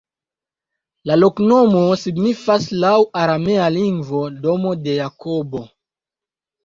La loknomo signifas laŭ aramea lingvo: "domo de Jakobo".